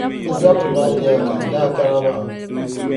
Bε zabili maa nyaaŋa ka a daa kana maa.